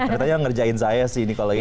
ternyata ngerjain saya sih kalau ini